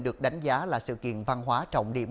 được đánh giá là sự kiện văn hóa trọng điểm